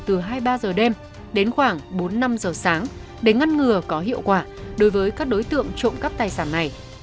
từ hai mươi ba h đêm đến khoảng bốn năm giờ sáng để ngăn ngừa có hiệu quả đối với các đối tượng trộm cắp tài sản này